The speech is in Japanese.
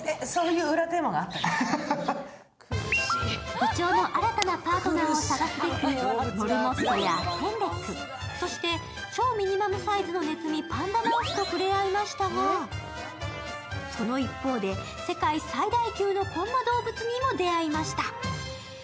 部長の新たなパートナーを探すべく、モルモットやフェネック、そして超ミニマルサイズのパンダマウスと触れ合いましたが、その一方で、世界最大級のこんな動物にも出会いました。